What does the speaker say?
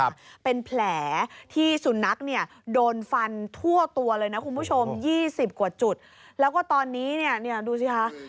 ครับเป็นแผลที่สุนัขเนี่ยโดนฟันทั่วตัวเลยนะคุณผู้ชมยี่สิบกว่าจุดแล้วก็ตอนนี้เนี่ยดูสิคะ